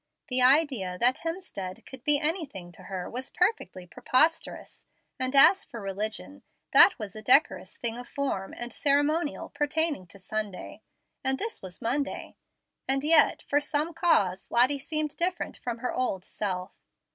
The idea that Hemstead could be anything to her was perfectly preposterous; and as for religion, that was a decorous thing of form and ceremonial pertaining to Sunday, and this was Monday. And yet, from some cause, Lottie seemed different from her old self.